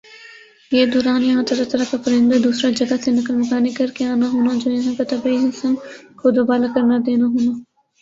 یِہ دوران یَہاں طرح طرح کا پرندہ دُوسْرا جگہ سے نقل مکانی کرکہ آنا ہونا جو یَہاں کا طبعی حسن کو دوبالا کرنا دینا ہونا